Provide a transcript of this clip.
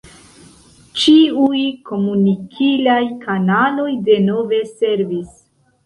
Ĉiuj komunikilaj kanaloj denove servis.